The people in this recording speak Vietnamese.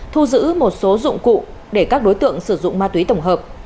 thu giữ một số dụng cụ để các đối tượng sử dụng ma túy tổng hợp